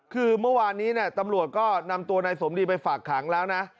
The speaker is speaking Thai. คือเมื่อวานนี้ตำรวจก็นำตัวนายสมดีไปฝากขังแล้วนะ